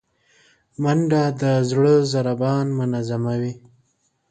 منډه د زړه ضربان منظموي